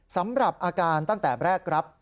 สำหรับอาการตั้งแต่แรกรับ